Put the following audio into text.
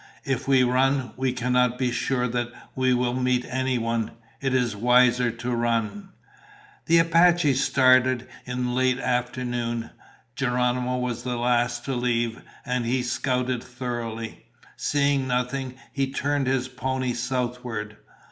If we run, we cannot be sure that we will meet anyone. It is wiser to run." The Apaches started in late afternoon. Geronimo was the last to leave, and he scouted thoroughly. Seeing nothing, he turned his pony southward.